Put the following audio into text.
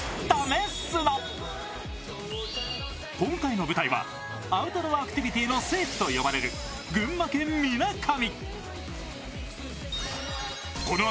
今回の舞台はアウトドアアクティビティーの聖地と呼ばれる群馬県・水上。